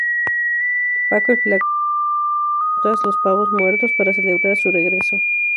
Paco el Flaco, ofrece a sus compatriotas los pavos muertos para celebrar su regreso.